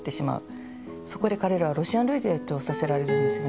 そこで彼らはロシアン・ルーレットをさせられるんですよね。